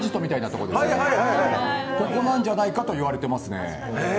ここなんじゃないかと言われていますね。